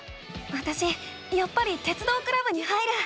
わたしやっぱり鉄道クラブに入る。